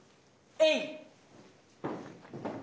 えい！